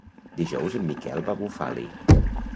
Dijous en Miquel va a Bufali.